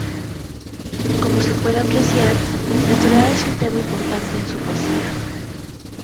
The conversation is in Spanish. Como se puede apreciar, la soledad es un tema importante en su poesía.